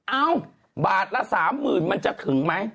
เอ้าบาทละ๓๐๐๐มันจะถึงไหม